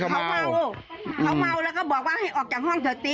เขาเมาแล้วก็บอกว่าให้ออกจากห้องเถอะติ๊ก